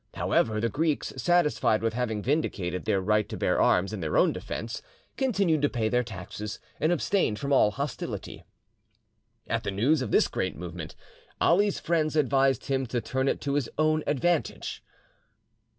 However, the Greeks, satisfied with having vindicated their right to bear arms in their own defence, continued to pay their taxes, and abstained from all hostility. At the news of this great movement, Ali's friends advised him to turn it to his own advantage.